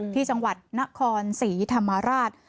ที่จังหวัดนครศรีธรรมราช